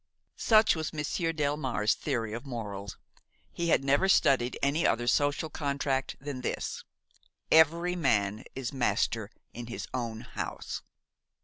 Such was Monsieur Delmare's theory of morals. He had never studied any other social contract than this: Every man is master in his own house.